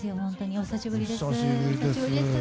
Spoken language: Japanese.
お久しぶりです。